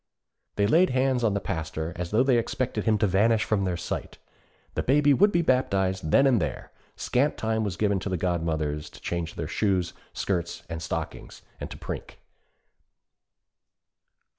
They laid hands on the Pastor, as though they expected him to vanish from their sight. The Baby would be baptized then and there. Scant time was given to the godmothers to change their shoes, skirts, and stockings, and to prink.